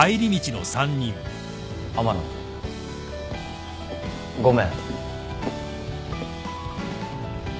天野ごめん。